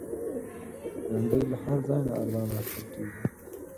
بېنډۍ له هر ځای نه ارزانه اخیستل کېږي